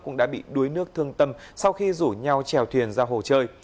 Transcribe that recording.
cũng đã bị đuối nước thương tâm sau khi rủ nhau trèo thuyền ra hồ chơi